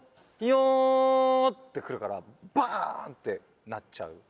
「よー」ってくるからばーんってなっちゃう。